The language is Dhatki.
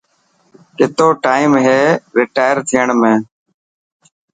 ڪتو ٽائم هي رٽائر ٿيڻ ۾.